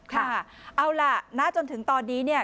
ค่ะเอาล่ะณจนถึงตอนนี้